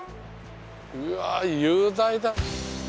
うわっ雄大だ。